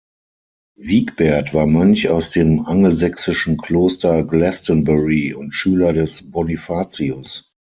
Wigbert war Mönch aus dem angelsächsischen Kloster Glastonbury und Schüler des Bonifatius.